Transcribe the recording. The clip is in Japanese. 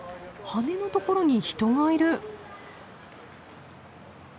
羽のところに人がいる！